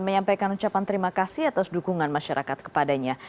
menyampaikan ucapan terima kasih atas dukungan masyarakat kepadanya